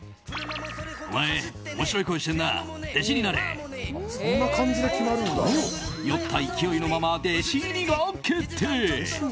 お前、面白い声してんなあ弟子になれ！と、酔った勢いのまま弟子入りが決定。